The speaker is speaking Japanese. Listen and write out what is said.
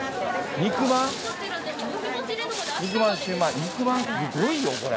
肉まんすごいよこれ。